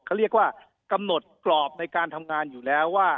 เขาเรียกว่ากำหนดกรอบในการทำงานอยู่แล้วว่า